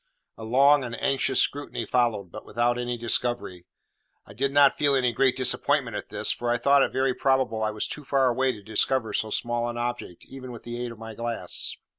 A long and anxious scrutiny followed, but without any discovery. I did not feel any very great disappointment at this, for I thought it very probable I was too far away to discover so small an object, even with the aid of my glass.